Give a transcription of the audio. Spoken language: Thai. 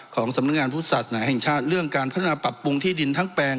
สำนักงานพุทธศาสนาแห่งชาติเรื่องการพัฒนาปรับปรุงที่ดินทั้งแปลง